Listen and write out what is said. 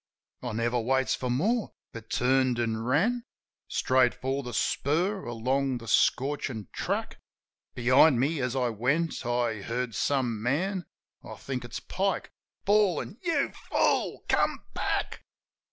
I never waits for more; but turned an' ran Straight for the spur, along the scorchin' track. Behind me, as I went, I hear some man — I think it's Pike — bawlin', "You fool! Come back!"